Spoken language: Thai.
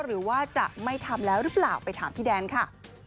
หรือว่าจะไม่ทำแล้วหรือเปล่าไปถามพี่แดนค่ะ